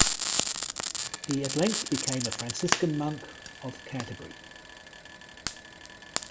He at length became a Franciscan monk of Canterbury.